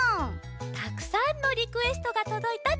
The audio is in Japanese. たくさんのリクエストがとどいたってききました。